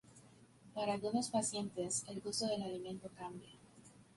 Para algunos pacientes, el gusto del alimento cambia.